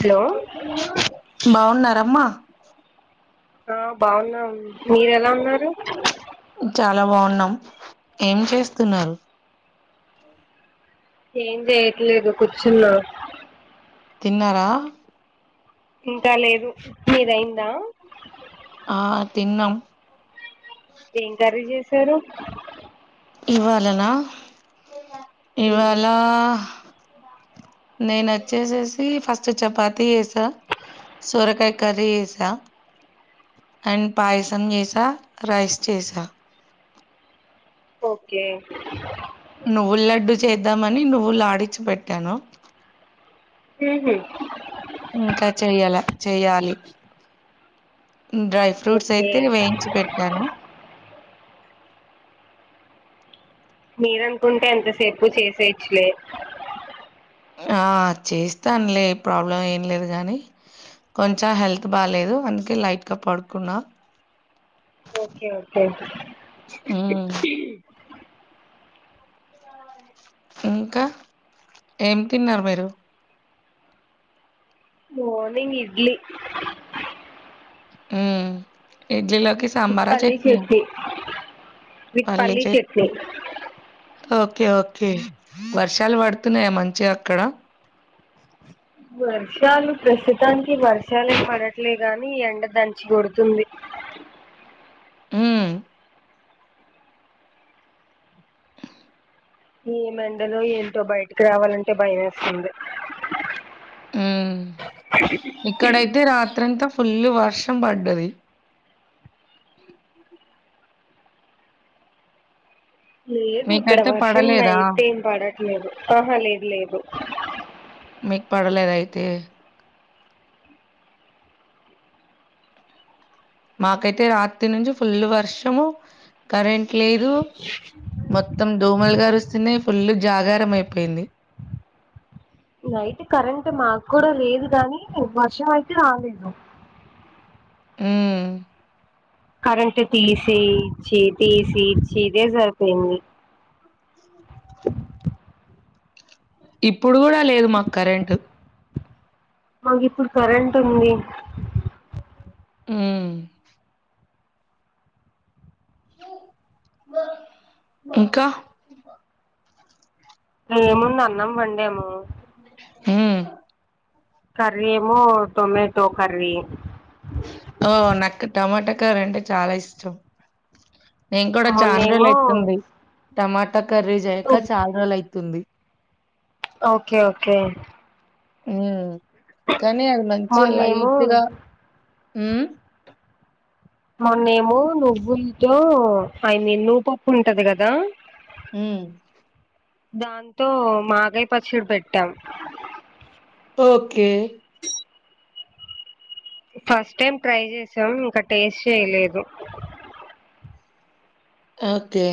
Hello బాగున్నారమ్మా. ఆ బాగున్నాము మీరు ఎలా ఉన్నారు. చాలా బాగున్నాం ఏం చేస్తున్నారు. ఏం చేయట్లేదు కూర్చున్న. తిన్నారా. ఇంటా లేదు మిది అయిందా ఆ తిన్నాం. ఏం కర్రీ చేసారు ఇవాళనా ఇవాళ. నేను వచ్చేసేసి ఫస్ట్ చపాతిీ వేసా సొరకాయ కర్రీ చేసా అండ్ పాయసం చేసా రైస్ చేసా ఓకే నువ్వుల లడ్డు చేద్దామని. ఫుల్ ఆడిచి పెట్టాను. హహ ఇంకా చెయ్యాల చెయ్యాలి డ్రై ఫ్రూట్స్ ఓకే అయితే వేయించి పెట్టాను. [inaudible] మీరనుకుంటే ఎంతసేపు చేసేచ్చులే. ఆ చేస్తానులే ప్రాబ్లం ఏం లేదు కాగానీ కొంచెం హెల్త్ బాలేదు అందుకే లైట్ గా పడుకున్నా. ఓకే ఓకే ఉమ్. ఇంకా ఏం తిన్నారు మీరు. మోర్నింగ్ ఇడ్లీ ఇడ్లీ లోకి సాంబారా చట్నీయా మీకు పల్లీ పల్లి చట్నీ చెట్టును ఓకే ఓకే వర్షాలు పడుతున్నాయా మంచిగా అక్కడ. వర్షాలు ప్రస్తుతానికి వర్షాలే పడట్లే గాని ఎండ దంచి కొడుతుంది. అ ఏ ఎండలో ఏంటో బయటకి రావాలంటే భయమేస్తుంది. ఉ ఇక్కడైతే రాత్రంతా ఫుల్ వర్షం పడ్డది లేదు ఇక్కడ మీకైతే వర్షం పడలేదా అయితే ఏం పడట్లేదు ఆహా లేదు లేదు మీకు పడలేద అయితే మాకైతే రాత్రి నుంచి ఫుల్ వర్షము కరెంట్ లేదు మొత్తం దోమలు గారుస్తేనే ఫుల్లు జాగారం అయిపోయింది నైట్ కరెంట్ మాకు కూడా లేదు కానీ వర్షం అయితే రాలేదు. ఆ కరెంటు తీసి ఇచ్చి తీసి ఇచ్చి ఇదే సరిపోయింది. [inaudible] ఇప్పుడు కూడా లేదు మాకు కరెంట్ మాకు ఇప్పుడు కరెంట్ ఉంది. ఉమ్ ఇంకా ఏముంది అన్నాం వందమో ఉం కర్రీ ఏమో టొమేటో కర్రీ ఓ నాకు టమాటా కర్రీ అంటే చాలా ఇష్టం నేను కూడా చాలా రోజులు మొన్నేమో అయితుంది టమాటా కర్రీ జేయ్యక చాల రోజులు అయితుంది. ఓకే ఓకే ఉం కానీ అది మంచిగా మొన్నేమో లైట్గా ఊ మొన్నేమో నువ్వులతో ఐ మీన్ నువ్వుపప్పు ఉంటది కదా ఊ దాంతో మాగాయ్ పచ్చడి పెట్టాం ఓకే ఫస్ట్ టైం ట్రై చేసాం ఇంకా టేస్ట్ చేయలేదు ఓకే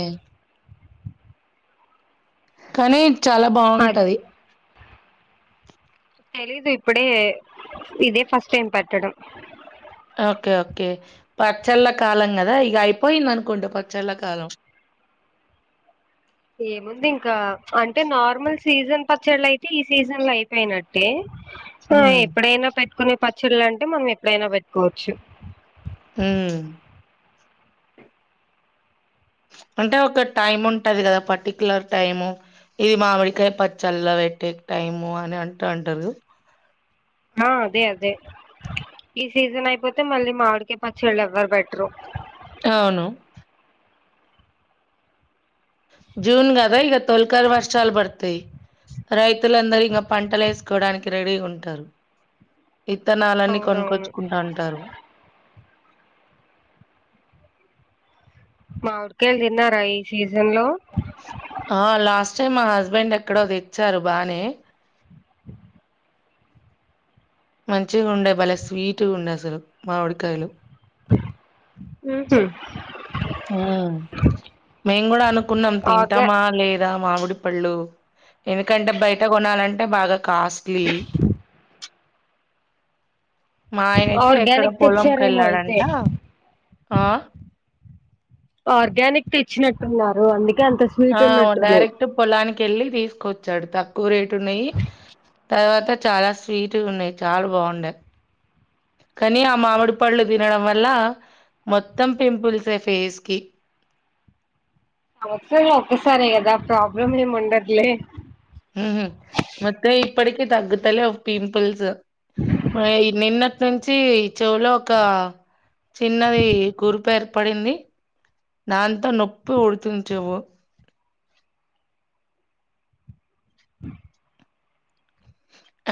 కానీ చాలా అది బాగుంటది తెలీదు ఇప్పుడే ఇదే ఫస్ట్ టైం పెట్టడం ఓకే ఓకే పచ్చళ్ళ కాలం కదా ఇగా అయిపోయింది అనుకుంటా పచ్చళ్ళ కాలం. ఏముంది ఇంకా అంటే నార్మల్ సీజన్ పచ్చళ్ అయితే ఈ సీజన్ లో అయిపోయినట్టే ఆ హ్మ్. ఎప్పుడైనా పెట్టుకునే పచ్చళ్ళ అంటే మనం ఎప్పుడైనా పెట్టుకోవచ్చు ఊ అంటే ఒక టైం ఉంటది కదా పర్టిక్యులర్ టైము. ఇది మామిడికాయ పచ్చల్ల పెట్టే టైము అని అంట ఉంటారు. ఆ అదే అదే ఈ సీజన్ అయిపోతే మళ్ళీ మావిడికయ్ పచ్చళ్ళు ఎవ్వరు బెటరు అవును. జూన్ గద ఇగ తోల్కర్ వర్షాలు బడ్తయి రైతులందరు ఇంకా పంటలు వేసుకోడానికి రెడీగ ఉంటారు విత్తనాలన్నీ అవునవును కొనుకొచ్చుకుంటాంటరు మామిడికాయలు తిన్నారా ఈ సీజన్ లో ఆ లాస్ట్ చే మా హస్బెండ్ ఎక్కడో తెచ్చారు బానే మంచి గుండె బలే స్వీట్గా ఉండే అసలు మావడికాయలు ఉహు ఊ మేం కూడా అనుకున్నం ఆర్గా తింటమా లేదా మామిడీ పళ్ళు ఎందుకంటే బయట కొనాలంటే బాగా కాస్ట్లీ మా ఆయనైతే ఎక్కడో ఆర్గానిక్ పొలం తెచ్చారేమో అయితే కెళ్ళాడంట ఆ ఆర్గానిక్ తెచ్చినట్టున్నారు అందుకే అంత ఆ స్వీట్ ఉన్నట్టున్నాయి డైరెక్ట్ పొలానికి ఎల్లి తీస్ కొచ్చాడు తక్కువ రేటు ఉన్నయి తర్వాత చాలా స్వీట్గా ఉన్నాయి చాలా బాగుండే కానీ ఆ మామిడి పళ్ళు తినడం వల్ల మొత్తం పింపుల్స్ ఏ ఫేస్ కి వచ్చేది ఒకసారే కదా ప్రాబ్లం ఏం ఉండదులే ఉహు మొత్తం ఇప్పటికి తగ్గుతలేవు పింపల్స్ మాయి నిన్న అప్పటి నుంచి ఈ చెవులో ఒక చిన్నది కురుపు ఏర్పడింది నాంతో నొప్పి పుడుతుంది చెవ్వు. [inaudible]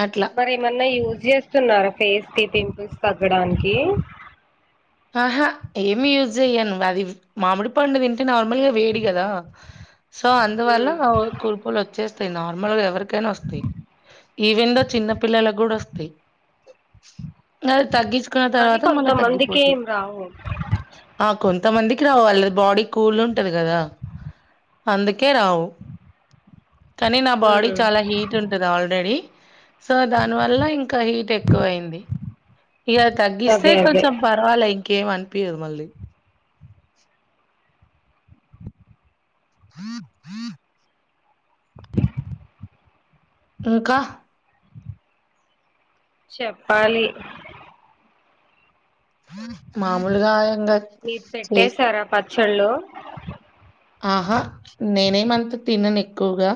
అట్లా. మరి ఏమన్నా యూజ్ చేస్తున్నారా ఫేస్ కి పింపుల్స్ తగ్గడానికి ఆహా ఏమి యూజ్ జేయను అది మామిడి పండు తింటే నార్ మళ్ళ వేడి కదా సో అందు వల్ల ఉమ్. కురుపులు వచ్చేస్తాయి నార్మల్ గా ఎవరి కేనో వస్తాయి ఈవెందో చిన్న పిల్లలక్ గూడా వస్తయ్ అది తగ్గించుకున్న కానీ తర్వాత మళ్ళీ కొంతమందికి తగ్గిపోది ఏం రావు కొంత మందికి రావాలి బాడీ కూల్ ఉంటంది కదా అందుకే రావు కానీ నా బాడీ ఉమ్. చాలా హీట్ ఉంటది ఆల్రెడీ సో దాని వల్ల ఇంకా హీట్ ఎక్కువ అయింది ఇగా తగ్గిస్తే అదే అదే కొంచం పర్వలే ఇంకేం అనిపియ్యదు మళ్ళీ ఇంకా చెప్పాలి మాములుగా మీరు పెట్టేశారా పచ్చళ్లు ఆహా నేనేమంత తినను ఎక్కువగా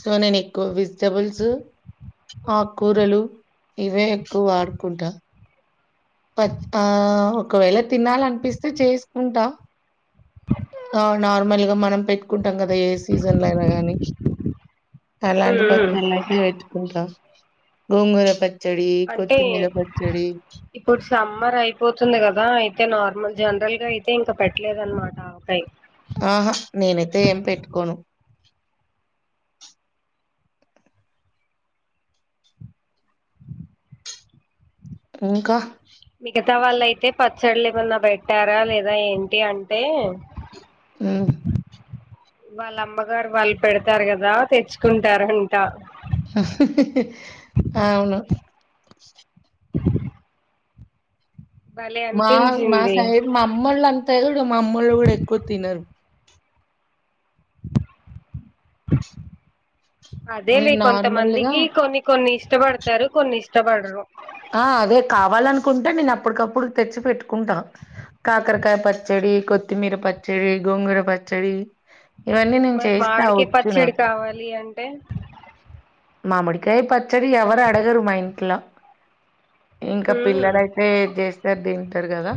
సో నేను ఎక్కువ వెజిటబుల్స్ ఆకు కూరలు ఇవే ఎక్కువ వాడుకుంట ప ఆ ఒకవేళ తినాలనిపిస్తే చేసుకుంటా నార్మల్ గా మనం పెట్టుకుంటాం కదా ఏ సీజన్ లో అయినా గానీ అలాంటి ఉమ్, ఉమ్. పచ్చళ్ళు అయితే పెట్టుకుంటాం గోంగూర పచ్చి పచడి అంటే కొత్తిమీద పచ్చడి ఇప్పుడు సమ్మర్ అయిపోతుంది కదా అయితే నా నార్మల్ జనరల్ గా అయితే ఇంకా పెట్టలేదునమాట ఆవకాయ్ ఆహా నీనైతే ఏం పెట్టుకోను ఇంక మిగతా వాళ్ళయితే పచ్చళ్ళ ఏమన్నా పెట్టారా లేదా ఏంటి అంటే హు వాళ్ళమ్మగారు వాళ్ళు పెడతారు కదా తెచ్చుకుంటారంట అవును [inaudible] భలే మా మా అనిపించింది సైడ్ మా అమ్మొళ్ల అంతా చూడు మా అమ్మోళ్ళు కూడా ఎక్కువ తినరు అదే లే నేను నార్మల్‌గా కొంతమందికి కొన్ని కొన్ని ఇష్టపడతారు కొన్ని ఇష్టపడరు ఆ అదే కావాలనుకుంటే నీన్ అప్పటికప్పుడు తెచ్చి పెట్టుకుంటా కాకరకాయ పచ్చడ్ కొత్తిమీర పచ్చడి గోంగుర పచ్చడి ఇవన్నీ నేను చేస్తా వచ్చు నాకు ట్టె మామిడికాయ పచ్చడి ఎవరు అడగరు మ ఇంట్లా ఇంకా ఉమ్ పిల్లలయితే చేస్తారు తింటారు కదా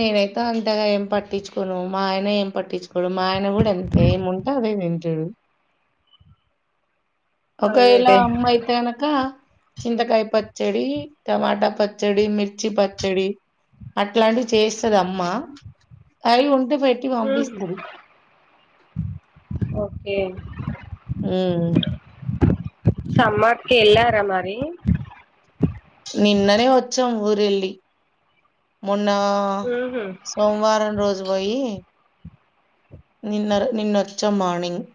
నేనైతే అంతగా ఏం పట్టించుకోను మా ఆయన ఏం పట్టించుకోడు మా ఆయన కూడా ఎంత ఏముంటే అదే తింటాడు ఒకేలా అదేదే అమ్మైతే అనుక చింతకాయ పచ్చడి టమాటా పచ్చడి మిర్చి పచ్చడి అట్లాంటివి చేస్తద అమ్మా అవి ఉంట పెట్టి ఉహు పంపిస్తాది ఓకే హ్మ్. సమ్మర్కి ఎల్లారా మరి నిన్ననే వచ్చాం ఊరెళ్ళి మొన్న ఉహు సోమ్ వారం రోజు బోయి నిన్న నిన్నొచ్చ మార్నింగ్గ్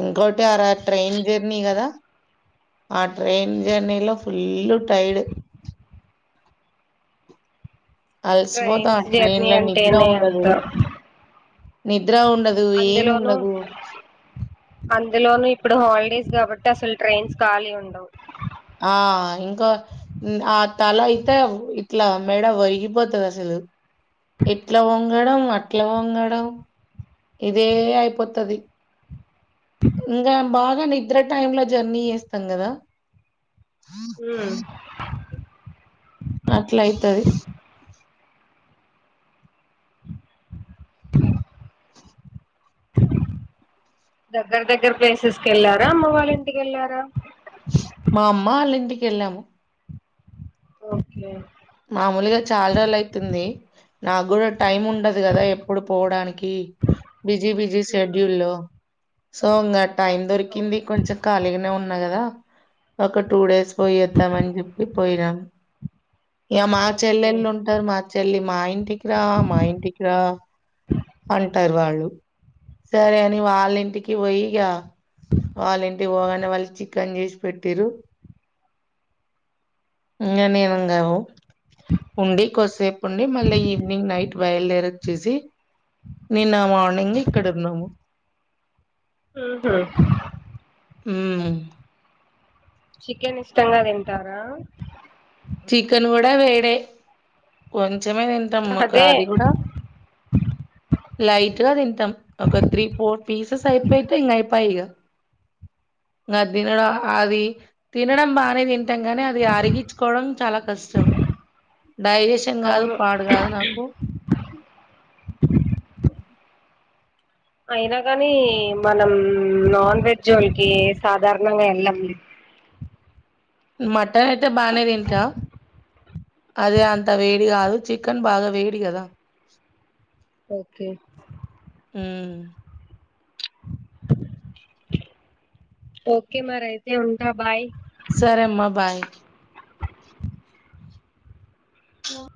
ఇంకోటి ఆర ట్రైన్ జెర్నీ కదా ఆ ట్రెయిన్ జెర్నీలో ఫుల్ టైడ్ ట్రైన్స్ అలసిపోతాము జర్నీ ట్రెన్లా అంటేనే నిద్రాండదు అంత నిద్ర ఉండదు ఏం ఉండదు అందులోని ఇప్పుడు హాలిడేస్ కాబట్టి అసలు ట్రెన్స్ ఖాళీ ఉండవు ఆ ఇంకా ఆ తల అయితే ఇట్లా మేడ వరిగిపోతది అసలు [inaudible] ఇట్లా వంగడం అట్లా వంగడం ఇదే అయిపోతది ఇంగ బాగా నిద్ర టైమ్ లో జర్నీ చేస్తాం గదా ఉమ్ అట్ల అయితది [inaudible] దగ్గర దగ్గర ప్లేసెస్ కి వెళ్ళారా అమ్మ వాళ్ళ ఇంటి కెళ్ళారా మా అమ్మ ఆళ్ళింటికి వెళ్ళాము ఒకే మామూలుగా చాలా రోజులైతుంది నాకు గూడా టైమ్ ఉండదు కదా ఎప్పుడు పోవడానికి బిజీ బిజీ ఉమ్ షెడ్యూల్ లో సో ఇంకా టైం ఓ- దొరికింది కొంచెం ఖాళీగానే ఉన్నా కదా ఒక టూ డేస్ పోయొదాంమని చెప్పి పోయినాం ఇగ మా ఓకే చెల్లెల్లు ఉంటారు మా చెల్లి మా ఇంటికి రా మా ఇంటికి రా అంటార్ వాళ్ళు సరే అని వాళ్ళ ఇంటికి పోయి ఇగా వాళ్ళ ఇంటికి పోగానే వాళ్ళు చి కెన్ చేసి పెట్టిర్రు ఇంగ నేను ఇంగ ఉండి కొద్దిసేపు ఉండి మళ్ళీ ఈవినింగ్ నైట్ బయలుదేరి వచ్చేసి నిన్న మార్నింగ్ ఇక్కడ ఉన్నాము హుహూ మ్మ్ చికెన్ ఇష్టంగా తింటారా చికెన్ గూడా వేడే కొ కొంచమే తింటాం అదే అది కూడా లైట్ గా తింటాం ఒక త్రీ ఫోర్ పీసస్ అయిపోయితే ఇంగా అయిపాయ్ ఇగా ఇగ దినడం అది తినడం బానే తింటాం కానీ అది అరిగిచ్చు కోవడం చాలా కష్టం డైజేషన్ కాదు అవును పాడు కాదు నాకు అయినా కానీ మనం నాన్ వెజ్ జోలికి సాధారణంగా వెళ్ళాం మటన్ అయితే బానే తింటా అదే అంత వేడి గాదు చికెన్ బాగా వేడి గదా ఓకే ఉమ్ ఓకే మరైతే ఉంటా బాయ్ సరే అమ్మా బాయ్ వో